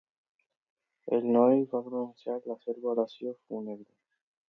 El noi va pronunciar la seva oració fúnebre.